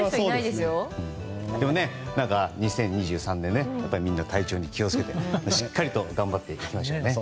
でもね、２０２３年みんな、体調に気を付けてしっかりと頑張っていきましょうね。